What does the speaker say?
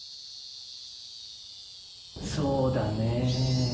そうだねぇ。